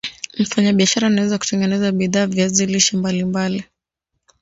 Mfanyabishara anaweza kutengeneza bidhaa viazi lishe mbali mbali